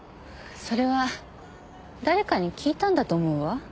それは誰かに聞いたんだと思うわ。